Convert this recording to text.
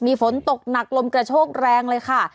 มีฝนตกหนักลมกระโชกแรงเลยค่ะ